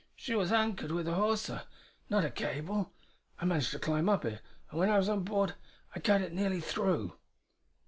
She was anchored with a hawser, not a cable. I managed to climb up it; and when I was on board I cut it nearly through."